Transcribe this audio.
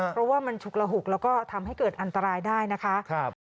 เพราะว่ามันฉุกระหุกแล้วก็ทำให้เกิดอันตรายได้นะคะ